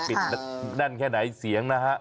แน่นแค่ไหนเสียงนะฮะ